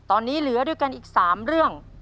ตอนนี้เหลือด้วยกันอีก๓เรื่อง